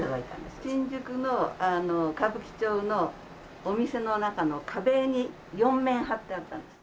新宿の歌舞伎町のお店の中の壁に４面貼ってあったんです。